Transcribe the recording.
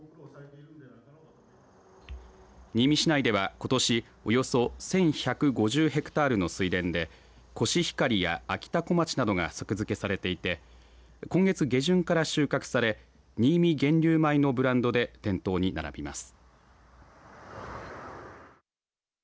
新見市内では、ことしおよそ１１５０ヘクタールの水田でコシヒカリやあきたこまちなどが作付けされていて今月下旬から収穫されにいみ源流米のブランドで店頭に並びます。